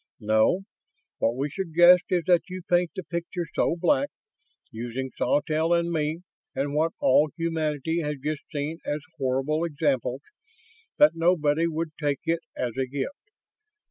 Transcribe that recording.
No. What we suggest is that you paint the picture so black, using Sawtelle and me and what all humanity has just seen as horrible examples, that nobody would take it as a gift.